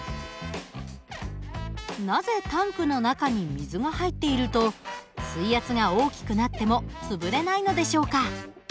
なぜタンクの中に水が入っていると水圧が大きくなっても潰れないのでしょうか？